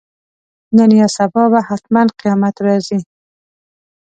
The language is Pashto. نن یا سبا به حتماً قیامت راځي.